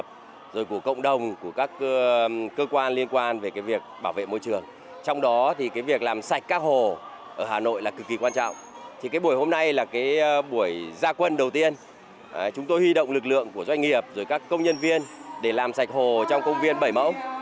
tại hà nội hiện có hơn hai trăm linh ao hồ lớn nhỏ thế nhưng phần đầu tiên chúng tôi huy động lực lượng của doanh nghiệp và các công nhân viên để làm sạch hồ trong công viên bể mẫu